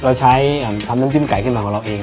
เราใช้ทำน้ำจิ้มไก่ขึ้นมาของเราเอง